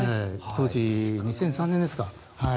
当時、２００３年ですか。